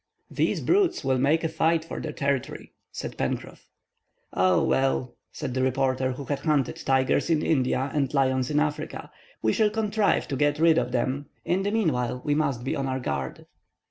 "These brutes will make a fight for their territory," said Pencroff. "Oh well," said the reporter, who had hunted tigers in India and lions in Africa, "we shall contrive to get rid of them. In the meanwhile, we must be on our guard."